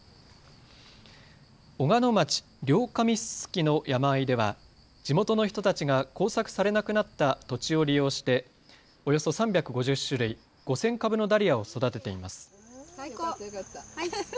小鹿野町両神薄の山あいでは地元の人たちが耕作されなくなった土地を利用しておよそ３５０種類、５０００株のダリアを育てています。